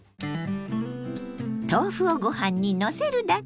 豆腐をご飯にのせるだけ！